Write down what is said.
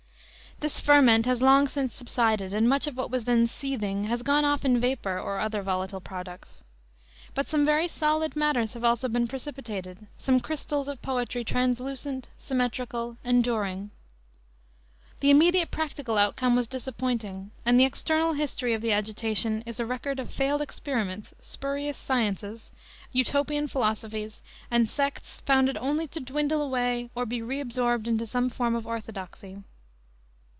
This ferment has long since subsided and much of what was then seething has gone off in vapor or other volatile products. But some very solid matters also have been precipitated, some crystals of poetry translucent, symmetrical, enduring. The immediate practical outcome was disappointing, and the external history of the agitation is a record of failed experiments, spurious sciences, Utopian philosophies, and sects founded only to dwindle away or be reabsorbed into some form of orthodoxy.